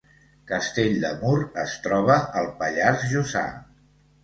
Castell de Mur es troba al Pallars Jussà